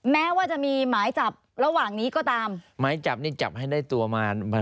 แม้ว่าจะมีหมายจับระหว่างนี้ก็ตาม